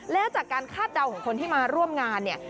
แล้วจากการคาดเดาของคนที่มาร่วมงานเนี่ย